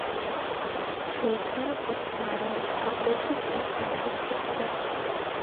შეიქმნა სისტემა, რომლის ფარგლებშიც ეს განხორციელდა.